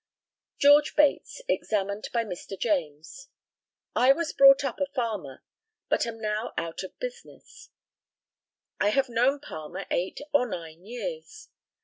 GEORGE BATES, examined by Mr. JAMES. I was brought up a farmer, but am now out of business. I have known Palmer eight or nine years.